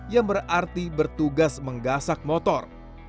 yang berarti bertugas menggasak motor